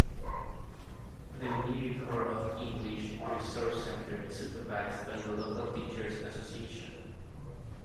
The Myrhorod English Resource Center is supervised by the local Teachers' Association.